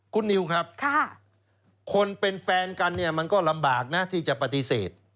คุณนิวครับคนเป็นแฟนกันเนี่ยมันก็ลำบากนะที่จะปฏิเสธ